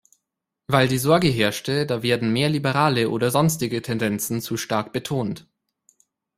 Weil die Sorge herrschte, da werden mehr liberale oder sonstige Tendenzen zu stark betont.